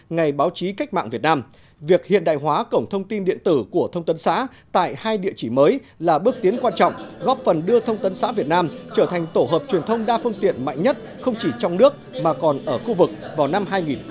ngày báo chí cách mạng việt nam việc hiện đại hóa cổng thông tin điện tử của thông tấn xã tại hai địa chỉ mới là bước tiến quan trọng góp phần đưa thông tấn xã việt nam trở thành tổ hợp truyền thông đa phương tiện mạnh nhất không chỉ trong nước mà còn ở khu vực vào năm hai nghìn hai mươi